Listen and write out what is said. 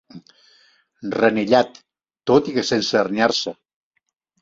Renillat, tot i que sense herniar-se.